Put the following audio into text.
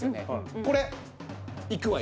これいくわよ。